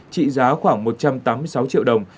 trị giá khoảng một trăm tám mươi sáu triệu đồng